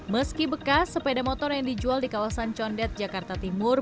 meski bekas sepeda motor yang dijual di kawasan condet jakarta timur